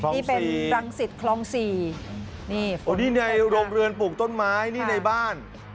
นี่เป็นรังสิทธิ์ครอง๔นี่ในโรงเรือนปลูกต้นไม้นี่ในบ้าน